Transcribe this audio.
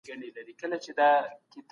په عصري نړۍ کي سياست خورا پېچلی سوی دی.